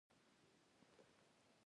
ملګری د دردونو مرهم وي